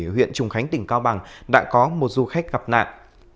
huyện trùng khánh tỉnh cao bằng đã có một du khách gặp nạn